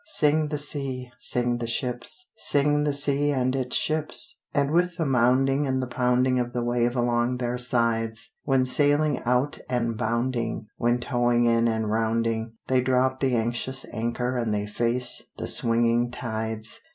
Sing the sea, sing the ships, Sing the sea and its ships, With the mounding and the pounding Of the wave along their sides; When sailing out and bounding, When towing in and rounding, They drop the anxious anchor and they face the swinging tides.